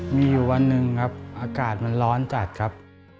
มีอยู่วันหนึ่งครับอากาศมันร้อนจัดครับ